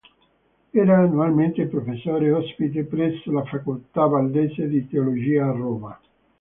Era annualmente professore ospite presso la Facoltà valdese di teologia a Roma.